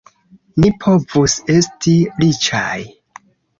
Ni povus esti riĉaj!